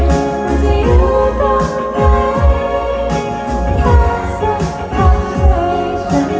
จะคิดว่าฉันอะไร